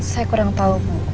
saya kurang tahu bu